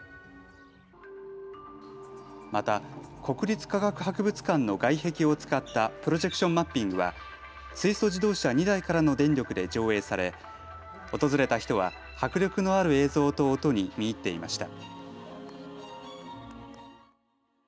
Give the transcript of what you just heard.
また国立科学博物館の外壁を使ったプロジェクションマッピングは水素自動車２台からの電力で上映され訪れた人は迫力のある映像と音に見入っていました。